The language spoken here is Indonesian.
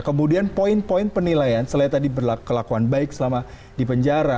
kemudian poin poin penilaian selain tadi berkelakuan baik selama di penjara